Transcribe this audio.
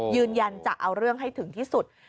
ยืนยันจะเอาเรื่องให้ถึงที่สุด